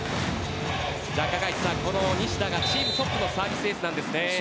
西田がチームトップのサービスエースなんですね。